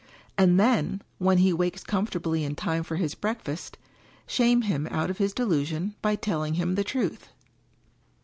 And then, when he wakes comfortably in time for his breakfast, shame him out of his delusion by telling him the truth."